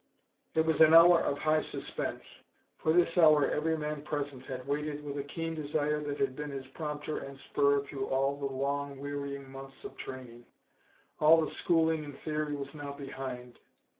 It was an hour of high suspense. For this hour every man present had waited with a keen desire that had been his prompter and spur through all the long, wearying months of training. All the schooling in theory was now behind.